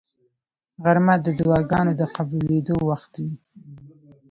غرمه د دعاګانو د قبلېدو وخت وي